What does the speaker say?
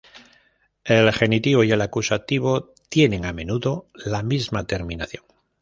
El genitivo y el acusativo tienen a menudo la misma terminación.